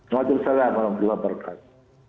waalaikumsalam warahmatullahi wabarakatuh